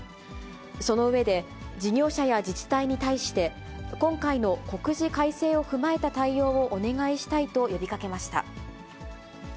その上で、事業者や自治体に対して、今回の告示改正を踏まえた対応をお願いしたいと呼びかけました。